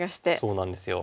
そうなんですよ。